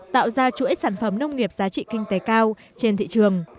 tạo ra chuỗi sản phẩm nông nghiệp giá trị kinh tế cao trên thị trường